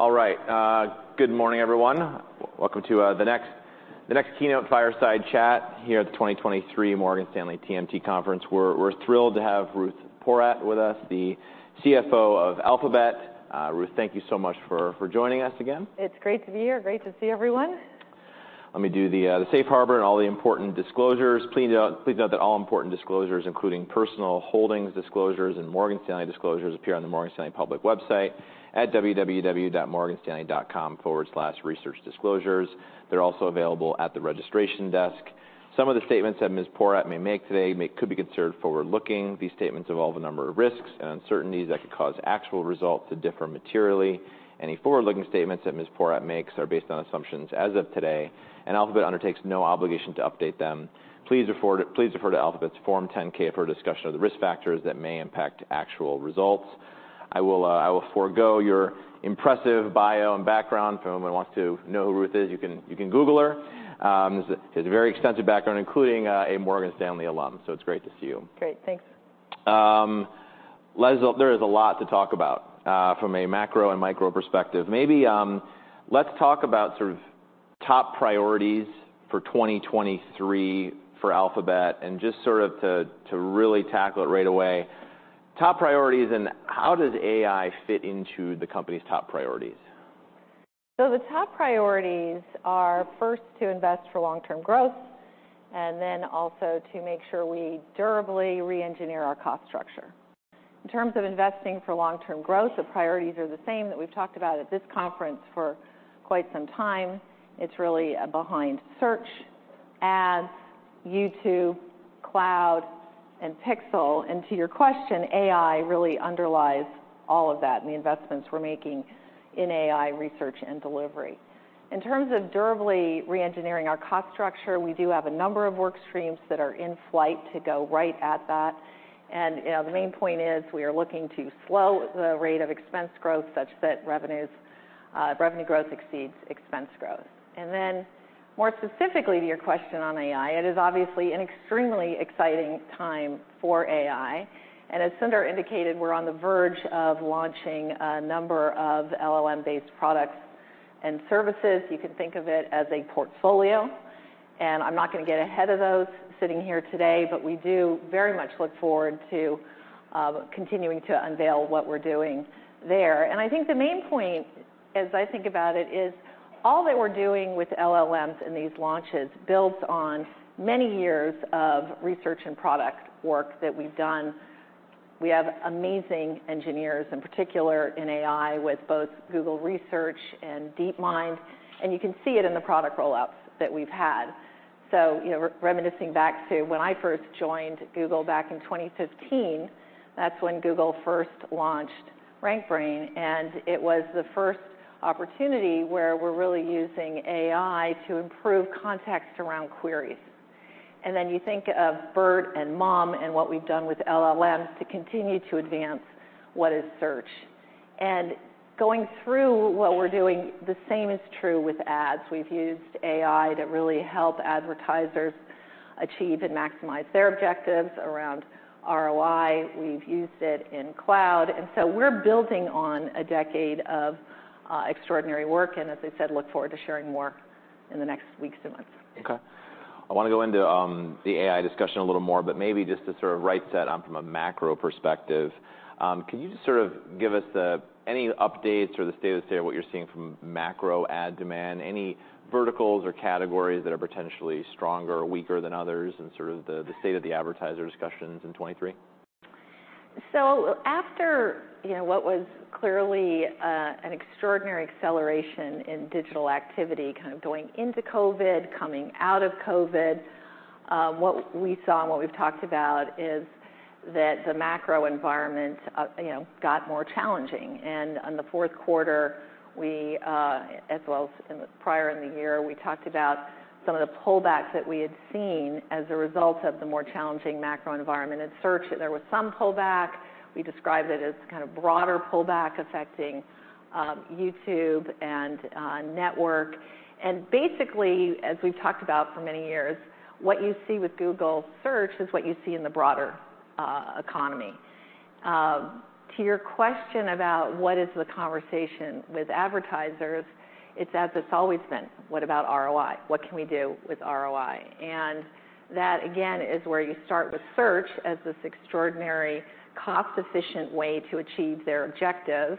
All right. Good morning, everyone. Welcome to the next keynote fireside chat here at the 2023 Morgan Stanley TMT Conference. We're thrilled to have Ruth Porat with us, the CFO of Alphabet. Ruth, thank you so much for joining us again. It's great to be here. Great to see everyone. Let me do the safe harbor and all the important disclosures. Please note that all important disclosures, including personal holdings disclosures and Morgan Stanley disclosures, appear on the Morgan Stanley public website at www.morganstanley.com/researchdisclosures. They're also available at the registration desk. Some of the statements that Ms. Porat may make today could be considered forward-looking. These statements involve a number of risks and uncertainties that could cause actual results to differ materially. Any forward-looking statements that Ms. Porat makes are based on assumptions as of today, and Alphabet undertakes no obligation to update them. Please refer to Alphabet's Form 10-K for a discussion of the risk factors that may impact actual results. I will forego your impressive bio and background. If anyone wants to know who Ruth is, you can Google her. She has a very extensive background, including a Morgan Stanley alum. So it's great to see you. Great. Thanks. There is a lot to talk about from a macro and micro perspective. Maybe let's talk about sort of top priorities for 2023 for Alphabet, and just sort of to really tackle it right away. Top priorities, and how does AI fit into the company's top priorities? The top priorities are first to invest for long-term growth, and then also to make sure we durably re-engineer our cost structure. In terms of investing for long-term growth, the priorities are the same that we've talked about at this conference for quite some time. It's really behind search, ads, YouTube, cloud, and Pixel. To your question, AI really underlies all of that and the investments we're making in AI research and delivery. In terms of durably re-engineering our cost structure, we do have a number of work streams that are in flight to go right at that. The main point is we are looking to slow the rate of expense growth such that revenue growth exceeds expense growth. More specifically to your question on AI, it is obviously an extremely exciting time for AI. As Sundar indicated, we're on the verge of launching a number of LLM-based products and services. You can think of it as a portfolio. I'm not going to get ahead of those sitting here today, but we do very much look forward to continuing to unveil what we're doing there. I think the main point, as I think about it, is all that we're doing with LLMs and these launches builds on many years of research and product work that we've done. We have amazing engineers, in particular in AI, with both Google Research and DeepMind. You can see it in the product rollouts that we've had. Reminiscing back to when I first joined Google back in 2015, that's when Google first launched RankBrain. It was the first opportunity where we're really using AI to improve context around queries. And then you think of BERT and MUM and what we've done with LLMs to continue to advance what is search. And going through what we're doing, the same is true with ads. We've used AI to really help advertisers achieve and maximize their objectives around ROI. We've used it in cloud. And so we're building on a decade of extraordinary work. And as I said, look forward to sharing more in the next weeks and months. OK. I want to go into the AI discussion a little more, but maybe just to sort of reset on from a macro perspective, can you just sort of give us any updates or the state of what you're seeing from macro ad demand? Any verticals or categories that are potentially stronger or weaker than others and sort of the state of the advertiser discussions in 2023? After what was clearly an extraordinary acceleration in digital activity, kind of going into COVID, coming out of COVID, what we saw and what we've talked about is that the macro environment got more challenging. In the fourth quarter, as well as prior in the year, we talked about some of the pullbacks that we had seen as a result of the more challenging macro environment in search. There was some pullback. We described it as kind of broader pullback affecting YouTube and Network. Basically, as we've talked about for many years, what you see with Google Search is what you see in the broader economy. To your question about what is the conversation with advertisers, it's as it's always been. What about ROI? What can we do with ROI? That, again, is where you start with search as this extraordinary, cost-efficient way to achieve their objectives,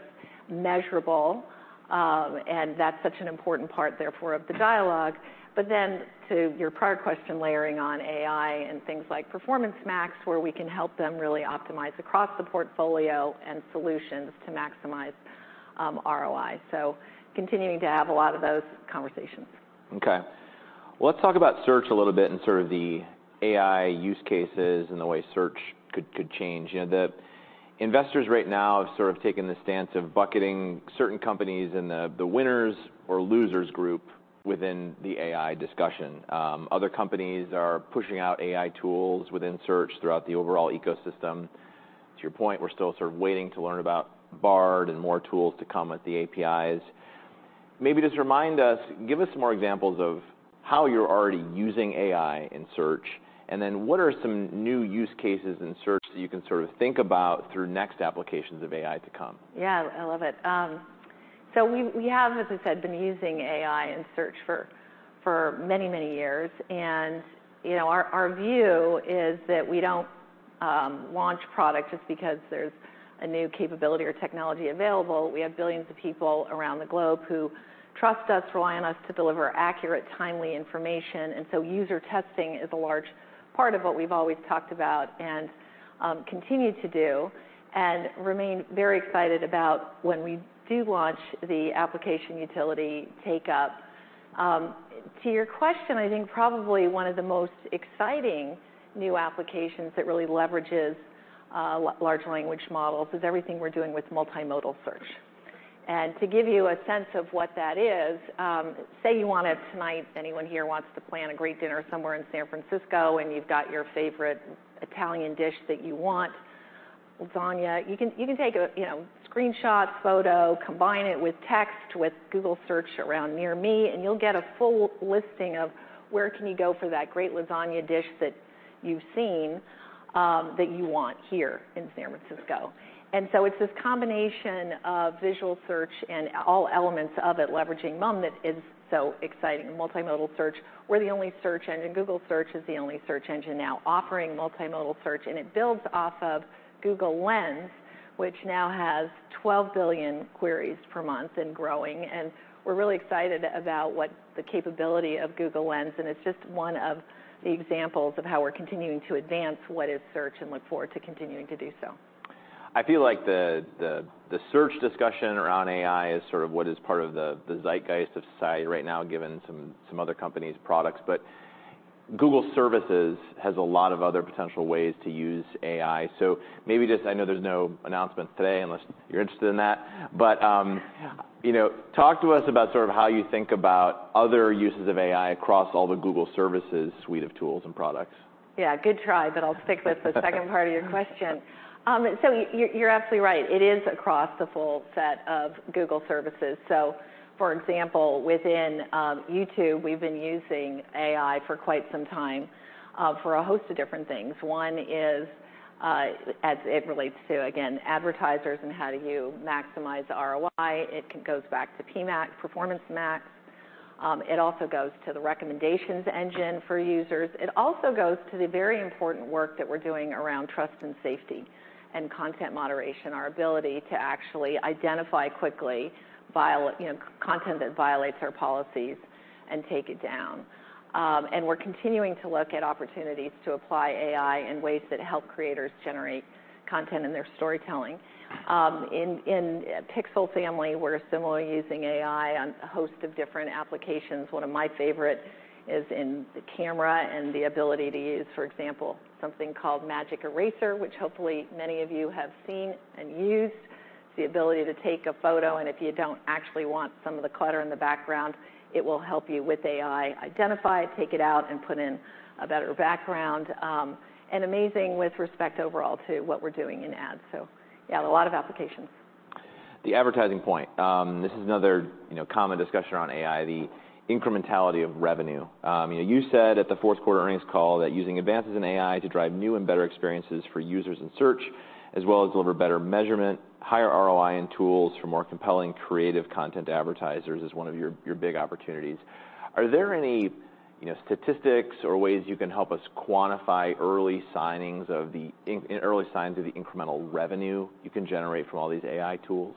measurable. That's such an important part, therefore, of the dialogue. Then to your prior question, layering on AI and things like Performance Max, where we can help them really optimize across the portfolio and solutions to maximize ROI. Continuing to have a lot of those conversations. OK. Well, let's talk about search a little bit and sort of the AI use cases and the way search could change. Investors right now have sort of taken the stance of bucketing certain companies in the winners or losers group within the AI discussion. Other companies are pushing out AI tools within search throughout the overall ecosystem. To your point, we're still sort of waiting to learn about Bard and more tools to come with the APIs. Maybe just remind us, give us some more examples of how you're already using AI in search, and then what are some new use cases in search that you can sort of think about through next applications of AI to come? Yeah, I love it. So we have, as I said, been using AI in search for many, many years. And our view is that we don't launch product just because there's a new capability or technology available. We have billions of people around the globe who trust us, rely on us to deliver accurate, timely information. And so user testing is a large part of what we've always talked about and continue to do and remain very excited about when we do launch the application utility take-up. To your question, I think probably one of the most exciting new applications that really leverages large language models is everything we're doing with multimodal search. And to give you a sense of what that is. Say you want it tonight. Anyone here wants to plan a great dinner somewhere in San Francisco, and you've got your favorite Italian dish that you want, lasagna. You can take a screenshot, photo, combine it with text, with Google Search around near me, and you'll get a full listing of where can you go for that great lasagna dish that you've seen that you want here in San Francisco. And so it's this combination of visual search and all elements of it, leveraging MUM that is so exciting. Multimodal search, we're the only search engine. Google Search is the only search engine now offering multimodal search. And it builds off of Google Lens, which now has 12 billion queries per month and growing. And we're really excited about the capability of Google Lens. It's just one of the examples of how we're continuing to advance what is search and look forward to continuing to do so. I feel like the search discussion around AI is sort of what is part of the zeitgeist of society right now, given some other companies' products, but Google Services has a lot of other potential ways to use AI, so maybe just, I know there's no announcements today unless you're interested in that, but talk to us about sort of how you think about other uses of AI across all the Google Services suite of tools and products. Yeah, good try. But I'll stick with the second part of your question. So you're absolutely right. It is across the full set of Google services. So for example, within YouTube, we've been using AI for quite some time for a host of different things. One is, as it relates to, again, advertisers and how do you maximize ROI. It goes back to PMax, Performance Max. It also goes to the recommendations engine for users. It also goes to the very important work that we're doing around trust and safety and content moderation, our ability to actually identify quickly content that violates our policies and take it down. And we're continuing to look at opportunities to apply AI in ways that help creators generate content in their storytelling. In Pixel family, we're similarly using AI on a host of different applications. One of my favorites is in the camera and the ability to use, for example, something called Magic Eraser, which hopefully many of you have seen and used. It's the ability to take a photo, and if you don't actually want some of the clutter in the background, it will help you, with AI, identify it, take it out, and put in a better background, and amazing with respect overall to what we're doing in ads, so yeah, a lot of applications. The advertising point. This is another common discussion around AI, the incrementality of revenue. You said at the fourth quarter earnings call that using advances in AI to drive new and better experiences for users in search, as well as deliver better measurement, higher ROI, and tools for more compelling, creative content advertisers is one of your big opportunities. Are there any statistics or ways you can help us quantify early signs of the incremental revenue you can generate from all these AI tools?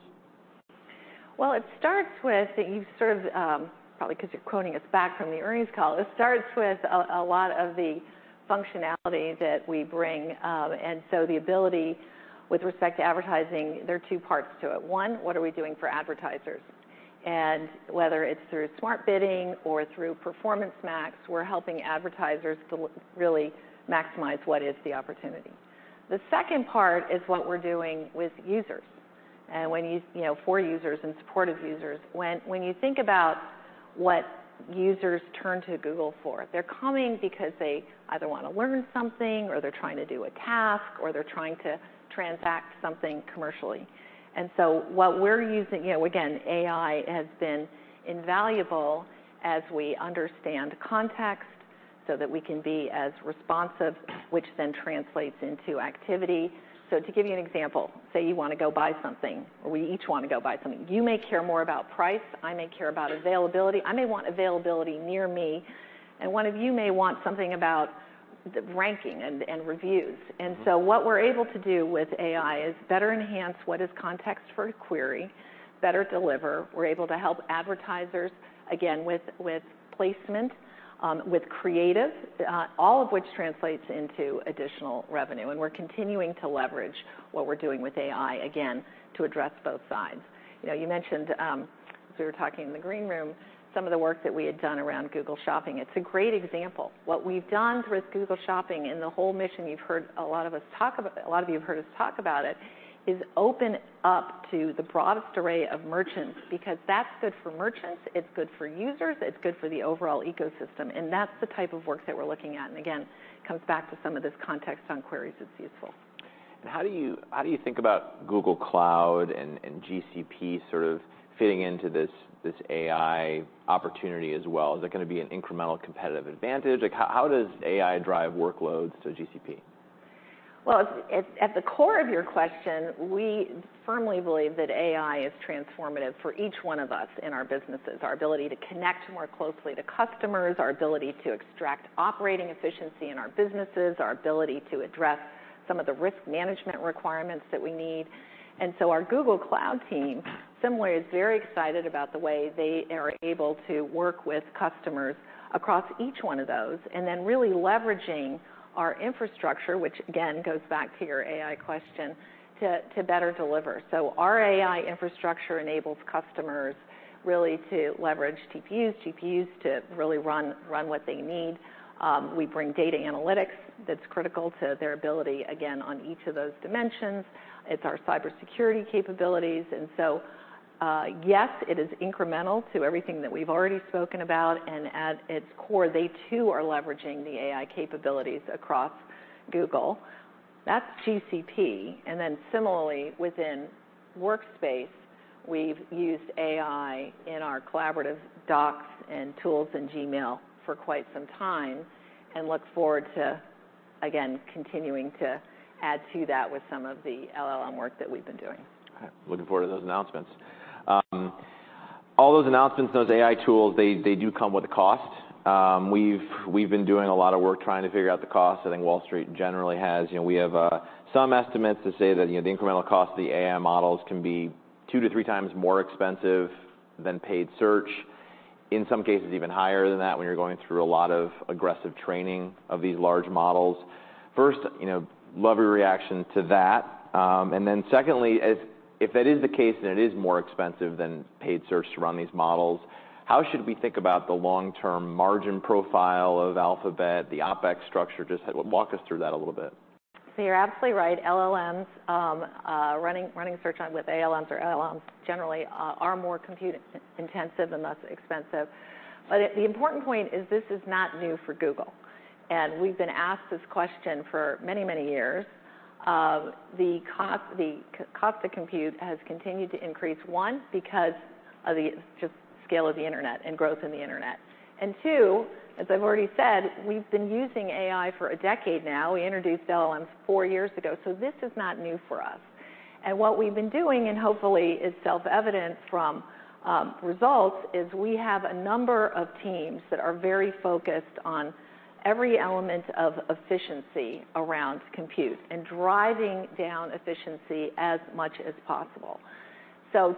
It starts with. You've sort of probably, because you're quoting us back from the earnings call, it starts with a lot of the functionality that we bring, and so the ability with respect to advertising, there are two parts to it. One, what are we doing for advertisers? And whether it's through Smart Bidding or through Performance Max, we're helping advertisers to really maximize what is the opportunity. The second part is what we're doing with users, and for users and supportive users, when you think about what users turn to Google for, they're coming because they either want to learn something, or they're trying to do a task, or they're trying to transact something commercially, and so what we're using, again, AI has been invaluable as we understand context so that we can be as responsive, which then translates into activity. So to give you an example, say you want to go buy something, or we each want to go buy something. You may care more about price. I may care about availability. I may want availability near me. And one of you may want something about ranking and reviews. And so what we're able to do with AI is better enhance what is context for a query, better deliver. We're able to help advertisers, again, with placement, with creative, all of which translates into additional revenue. And we're continuing to leverage what we're doing with AI, again, to address both sides. You mentioned, as we were talking in the green room, some of the work that we had done around Google Shopping. It's a great example. What we've done with Google Shopping and the whole mission you've heard a lot of us talk about, a lot of you have heard us talk about it, is open up to the broadest array of merchants because that's good for merchants. It's good for users. It's good for the overall ecosystem. And that's the type of work that we're looking at. And again, it comes back to some of this context on queries. It's useful. How do you think about Google Cloud and GCP sort of fitting into this AI opportunity as well? Is it going to be an incremental competitive advantage? How does AI drive workloads to GCP? Well, at the core of your question, we firmly believe that AI is transformative for each one of us in our businesses, our ability to connect more closely to customers, our ability to extract operating efficiency in our businesses, our ability to address some of the risk management requirements that we need. And so our Google Cloud team, similarly, is very excited about the way they are able to work with customers across each one of those and then really leveraging our infrastructure, which, again, goes back to your AI question, to better deliver. So our AI infrastructure enables customers really to leverage TPUs, GPUs to really run what they need. We bring data analytics that's critical to their ability, again, on each of those dimensions. It's our cybersecurity capabilities. And so yes, it is incremental to everything that we've already spoken about. At its core, they too are leveraging the AI capabilities across Google. That's GCP. Then similarly, within Workspace, we've used AI in our collaborative docs and tools in Gmail for quite some time and look forward to, again, continuing to add to that with some of the LLM work that we've been doing. Looking forward to those announcements. All those announcements, those AI tools, they do come with a cost. We've been doing a lot of work trying to figure out the cost. I think Wall Street generally has. We have some estimates that say that the incremental cost of the AI models can be two to three times more expensive than paid search, in some cases even higher than that when you're going through a lot of aggressive training of these large models. First, love your reaction to that. And then secondly, if that is the case, then it is more expensive than paid search to run these models. How should we think about the long-term margin profile of Alphabet, the OpEx structure? Just walk us through that a little bit. So you're absolutely right. LLMs, running search with ALMs or LLMs generally are more compute intensive and less expensive. But the important point is this is not new for Google. We've been asked this question for many, many years. The cost to compute has continued to increase, one, because of the scale of the internet and growth in the internet. Two, as I've already said, we've been using AI for a decade now. We introduced LLMs four years ago. This is not new for us. What we've been doing, and hopefully is self-evident from results, is we have a number of teams that are very focused on every element of efficiency around compute and driving down efficiency as much as possible.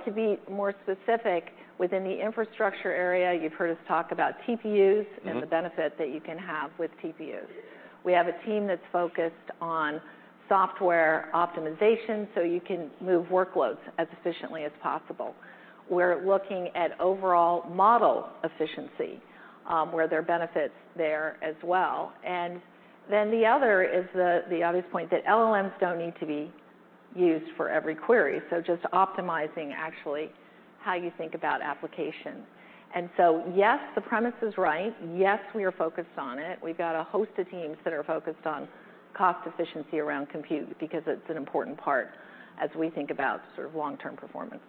To be more specific, within the infrastructure area, you've heard us talk about TPUs and the benefit that you can have with TPUs. We have a team that's focused on software optimization so you can move workloads as efficiently as possible. We're looking at overall model efficiency, where there are benefits there as well, and then the other is the obvious point that LLMs don't need to be used for every query, so just optimizing actually how you think about applications, and so yes, the premise is right. Yes, we are focused on it. We've got a host of teams that are focused on cost efficiency around compute because it's an important part as we think about sort of long-term performance.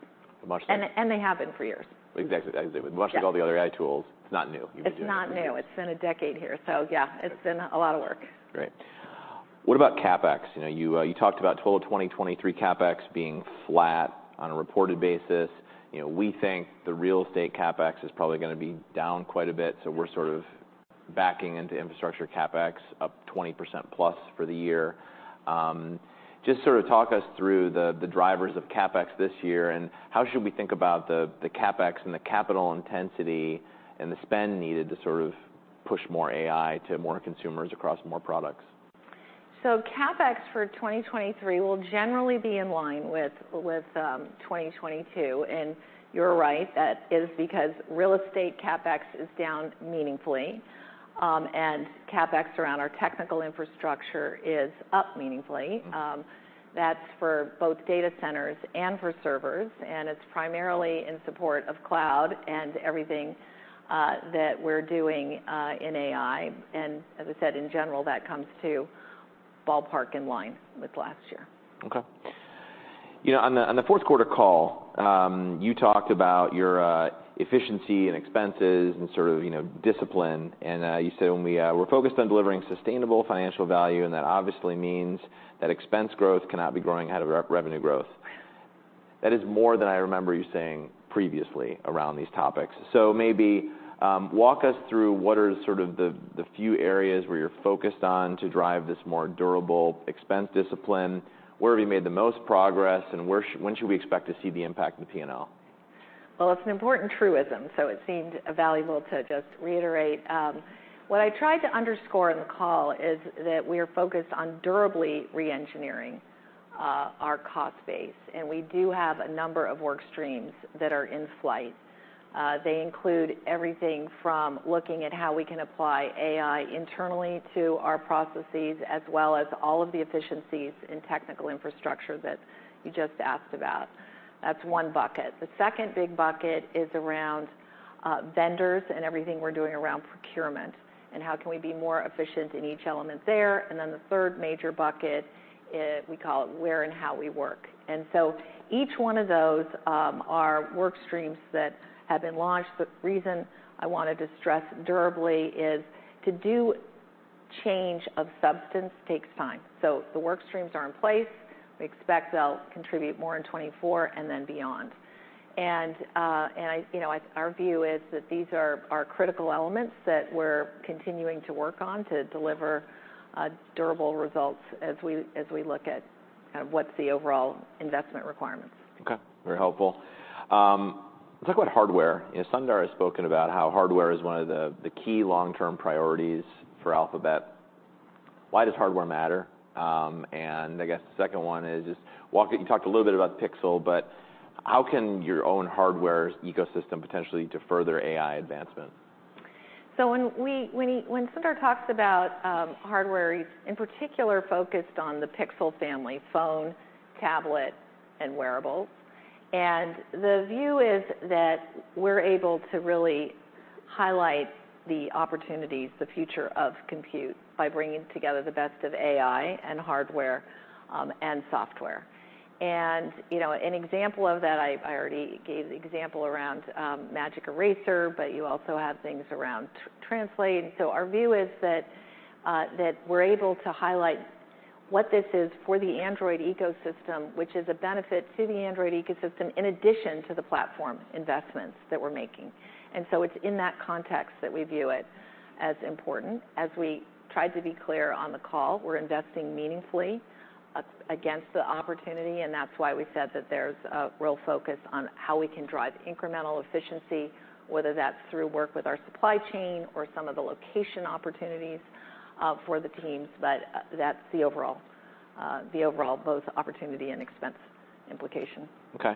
And they have been for years. Exactly. With most of all the other AI tools, it's not new. It's not new. It's been a decade here, so yeah, it's been a lot of work. Great. What about CapEx? You talked about Q1 2023 CapEx being flat on a reported basis. We think the real estate CapEx is probably going to be down quite a bit. So we're sort of backing into infrastructure CapEx up 20% plus for the year. Just sort of talk us through the drivers of CapEx this year and how should we think about the CapEx and the capital intensity and the spend needed to sort of push more AI to more consumers across more products? CapEx for 2023 will generally be in line with 2022. You're right. That is because real estate CapEx is down meaningfully. CapEx around our technical infrastructure is up meaningfully. That's for both data centers and for servers. It's primarily in support of cloud and everything that we're doing in AI. As I said, in general, that comes to ballpark in line with last year. OK. On the fourth quarter call, you talked about your efficiency and expenses and sort of discipline. And you said, "We're focused on delivering sustainable financial value." And that obviously means that expense growth cannot be growing ahead of revenue growth. That is more than I remember you saying previously around these topics. So maybe walk us through what are sort of the few areas where you're focused on to drive this more durable expense discipline. Where have you made the most progress? And when should we expect to see the impact of the P&L? That's an important truism. It seemed valuable to just reiterate. What I tried to underscore in the call is that we are focused on durably re-engineering our cost base. We do have a number of work streams that are in flight. They include everything from looking at how we can apply AI internally to our processes, as well as all of the efficiencies in technical infrastructure that you just asked about. That's one bucket. The second big bucket is around vendors and everything we're doing around procurement and how can we be more efficient in each element there. The third major bucket, we call it where and how we work. Each one of those are work streams that have been launched. The reason I wanted to stress durably is to do change of substance takes time. The work streams are in place. We expect they'll contribute more in 2024 and then beyond. And our view is that these are critical elements that we're continuing to work on to deliver durable results as we look at kind of what's the overall investment requirements. OK. Very helpful. Let's talk about hardware. Sundar has spoken about how hardware is one of the key long-term priorities for Alphabet. Why does hardware matter, and I guess the second one is just you talked a little bit about Pixel, but how can your own hardware ecosystem potentially defer their AI advancement? So when Sundar talks about hardware, he's in particular focused on the Pixel family, phone, tablet, and wearables. And the view is that we're able to really highlight the opportunities, the future of compute by bringing together the best of AI and hardware and software. And an example of that, I already gave the example around Magic Eraser, but you also have things around Translate. And so our view is that we're able to highlight what this is for the Android ecosystem, which is a benefit to the Android ecosystem in addition to the platform investments that we're making. And so it's in that context that we view it as important. As we tried to be clear on the call, we're investing meaningfully against the opportunity. And that's why we said that there's a real focus on how we can drive incremental efficiency, whether that's through work with our supply chain or some of the location opportunities for the teams. But that's the overall both opportunity and expense implication. OK.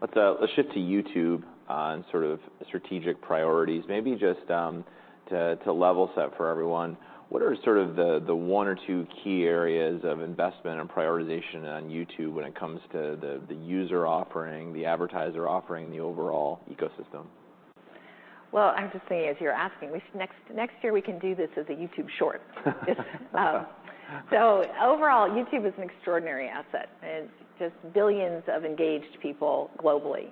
Let's shift to YouTube and sort of strategic priorities, maybe just to level set for everyone. What are sort of the one or two key areas of investment and prioritization on YouTube when it comes to the user offering, the advertiser offering, the overall ecosystem? I'm just saying, as you're asking, next year we can do this as a YouTube short. Overall, YouTube is an extraordinary asset. It's just billions of engaged people globally.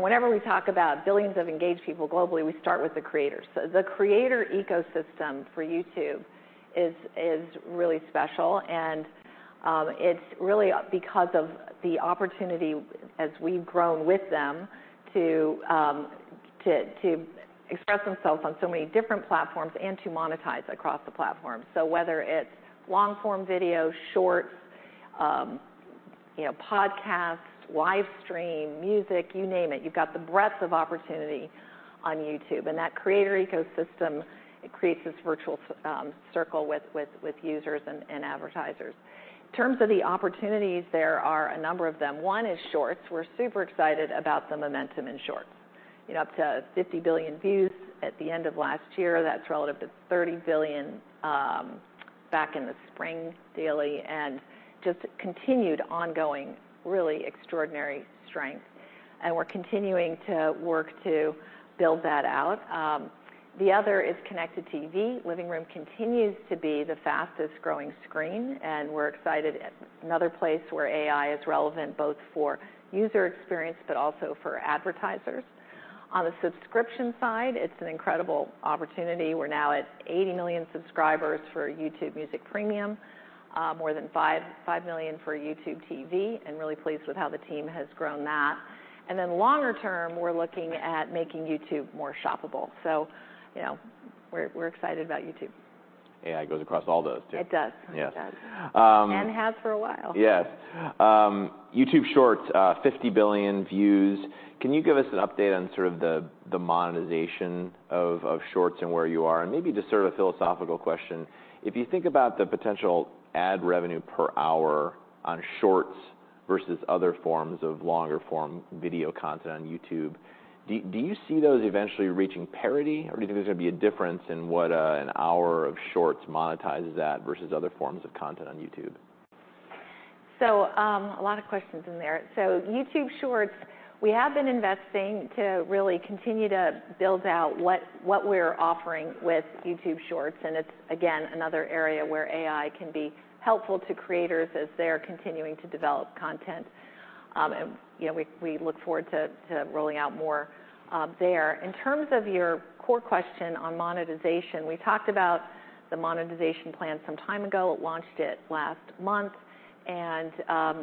Whenever we talk about billions of engaged people globally, we start with the creators. The creator ecosystem for YouTube is really special. It's really because of the opportunity, as we've grown with them, to express themselves on so many different platforms and to monetize across the platform. Whether it's long-form video, Shorts, podcasts, live stream, music, you name it, you've got the breadth of opportunity on YouTube. That creator ecosystem creates this virtuous circle with users and advertisers. In terms of the opportunities, there are a number of them. One is Shorts. We're super excited about the momentum in shorts. Up to 50 billion views at the end of last year. That's relative to $30 billion back in the spring daily. And just continued ongoing really extraordinary strength. And we're continuing to work to build that out. The other is connected TV. Living room continues to be the fastest growing screen. And we're excited. Another place where AI is relevant both for user experience but also for advertisers. On the subscription side, it's an incredible opportunity. We're now at 80 million subscribers for YouTube Music Premium, more than five million for YouTube TV. And really pleased with how the team has grown that. And then longer term, we're looking at making YouTube more shoppable. So we're excited about YouTube. AI goes across all those too. It does. Yes. And has for a while. Yes. YouTube Shorts, 50 billion views. Can you give us an update on sort of the monetization of Shorts and where you are? And maybe just sort of a philosophical question. If you think about the potential ad revenue per hour on Shorts versus other forms of longer form video content on YouTube, do you see those eventually reaching parity? Or do you think there's going to be a difference in what an hour of Shorts monetizes at versus other forms of content on YouTube? So a lot of questions in there. YouTube Shorts, we have been investing to really continue to build out what we're offering with YouTube Shorts. And it's, again, another area where AI can be helpful to creators as they're continuing to develop content. And we look forward to rolling out more there. In terms of your core question on monetization, we talked about the monetization plan some time ago. It launched it last month. And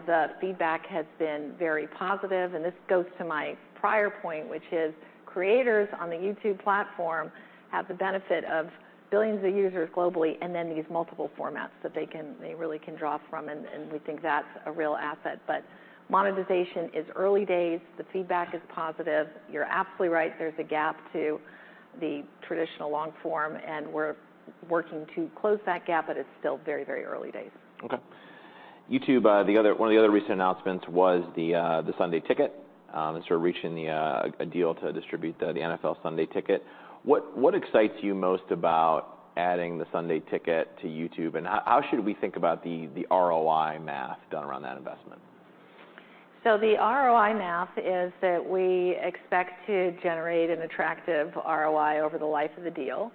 the feedback has been very positive. And this goes to my prior point, which is creators on the YouTube platform have the benefit of billions of users globally and then these multiple formats that they really can draw from. And we think that's a real asset. But monetization is early days. The feedback is positive. You're absolutely right. There's a gap to the traditional long form. And we're working to close that gap, but it's still very, very early days. OK. YouTube, one of the other recent announcements was the Sunday Ticket and sort of reaching a deal to distribute the NFL Sunday Ticket. What excites you most about adding the Sunday Ticket to YouTube? And how should we think about the ROI math done around that investment? So the ROI math is that we expect to generate an attractive ROI over the life of the deal.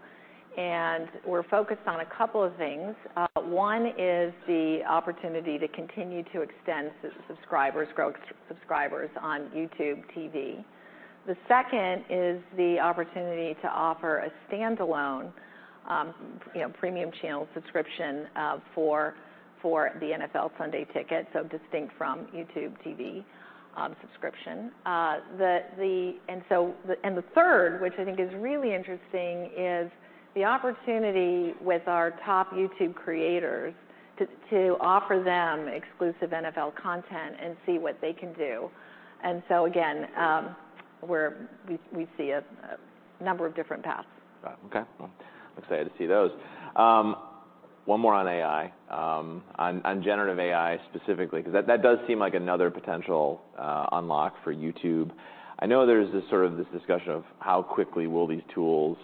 And we're focused on a couple of things. One is the opportunity to continue to extend subscribers, grow subscribers on YouTube TV. The second is the opportunity to offer a standalone premium channel subscription for the NFL Sunday Ticket, so distinct from YouTube TV subscription. And the third, which I think is really interesting, is the opportunity with our top YouTube creators to offer them exclusive NFL content and see what they can do. And so again, we see a number of different paths. OK. I'm excited to see those. One more on AI, on generative AI specifically, because that does seem like another potential unlock for YouTube. I know there's this sort of discussion of how quickly will these tools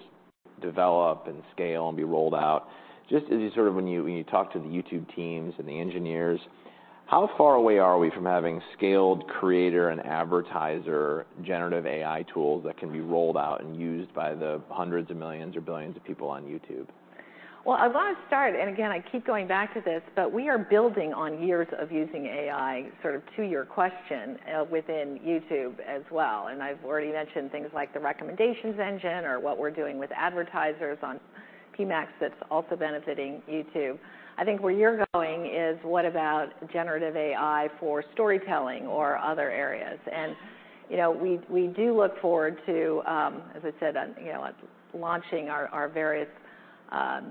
develop and scale and be rolled out. Just as you sort of when you talk to the YouTube teams and the engineers, how far away are we from having scaled creator and advertiser generative AI tools that can be rolled out and used by the hundreds of millions or billions of people on YouTube? I want to start, and again, I keep going back to this, but we are building on years of using AI, sort of to your question, within YouTube as well. I've already mentioned things like the recommendations engine or what we're doing with advertisers on PMax that's also benefiting YouTube. I think where you're going is what about generative AI for storytelling or other areas? We do look forward to, as I said, launching our various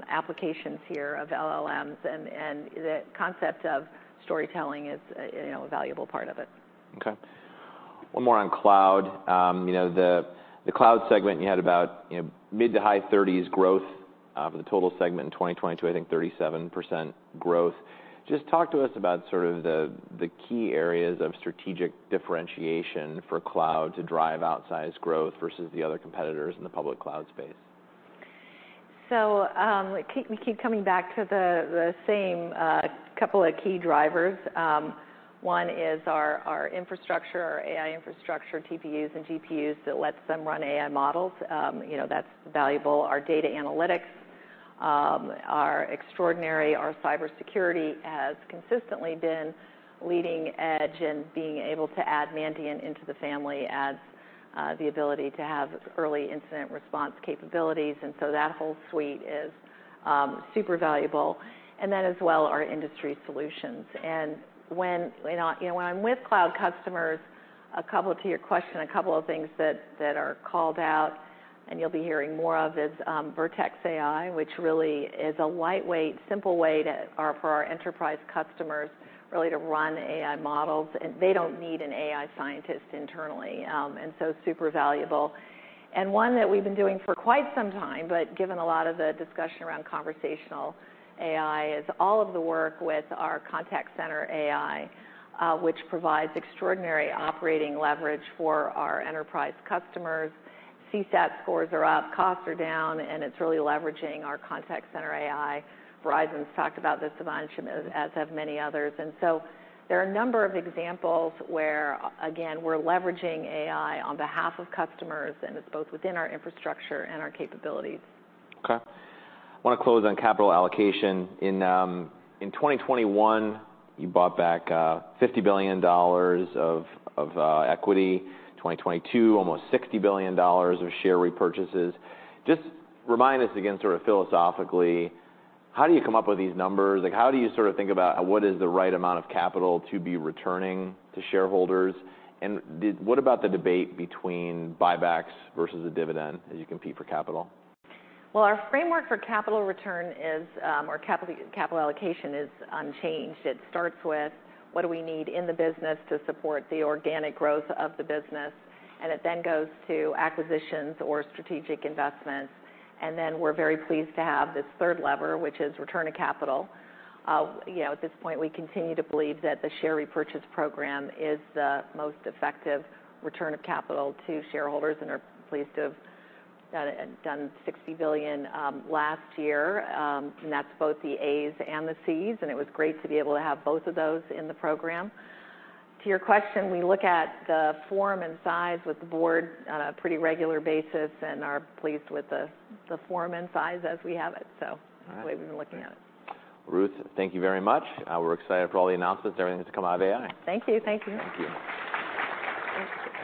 applications here of LLMs. The concept of storytelling is a valuable part of it. OK. One more on cloud. The cloud segment, you had about mid- to high-30s growth for the total segment in 2022, I think 37% growth. Just talk to us about sort of the key areas of strategic differentiation for cloud to drive outsized growth versus the other competitors in the public cloud space. So we keep coming back to the same couple of key drivers. One is our infrastructure, our AI infrastructure, TPUs and GPUs that lets them run AI models. That's valuable. Our data analytics are extraordinary. Our cybersecurity has consistently been leading edge, and being able to add Mandiant into the family adds the ability to have early incident response capabilities. And so that whole suite is super valuable. And then as well, our industry solutions. And when I'm with cloud customers, a couple to your question, a couple of things that are called out, and you'll be hearing more of, is Vertex AI, which really is a lightweight, simple way for our enterprise customers really to run AI models. And they don't need an AI scientist internally. And so super valuable. And one that we've been doing for quite some time, but given a lot of the discussion around conversational AI, is all of the work with our Contact Center AI, which provides extraordinary operating leverage for our enterprise customers. CSAT scores are up, costs are down, and it's really leveraging our Contact Center AI. Verizon's talked about this a bunch, as have many others. And so there are a number of examples where, again, we're leveraging AI on behalf of customers. And it's both within our infrastructure and our capabilities. OK. I want to close on capital allocation. In 2021, you bought back $50 billion of equity. In 2022, almost $60 billion of share repurchases. Just remind us again sort of philosophically, how do you come up with these numbers? How do you sort of think about what is the right amount of capital to be returning to shareholders? And what about the debate between buybacks versus a dividend as you compete for capital? Our framework for capital return or capital allocation is unchanged. It starts with what do we need in the business to support the organic growth of the business? And it then goes to acquisitions or strategic investments. And then we're very pleased to have this third lever, which is return to capital. At this point, we continue to believe that the share repurchase program is the most effective return of capital to shareholders. And we're pleased to have done $60 billion last year. And that's both the A's and the C's. And it was great to be able to have both of those in the program. To your question, we look at the form and size with the board on a pretty regular basis and are pleased with the form and size as we have it. So that's the way we've been looking at it. Ruth, thank you very much. We're excited for all the announcements and everything that's come out of AI. Thank you. Thank you. Thank you.